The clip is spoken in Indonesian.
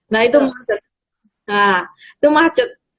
nah itu macet